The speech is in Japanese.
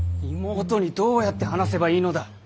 妹にどうやって話せばいいのだ。